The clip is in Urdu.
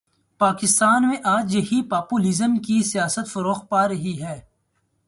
پاکستان میں آج یہی پاپولزم کی سیاست فروغ پا رہی ہے۔